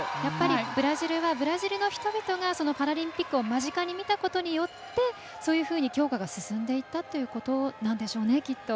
ブラジルはブラジルの人々がパラリンピックを間近で見たことによって強化が進んでいったということなんでしょうね。